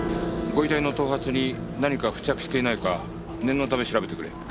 ご遺体の頭髪に何か付着していないか念のため調べてくれ。